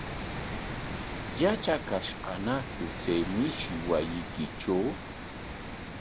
¿Yatrakashqañaku chay mishi wasiykitraw?